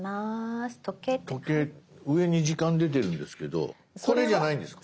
時計上に時間出てるんですけどこれじゃないんですか？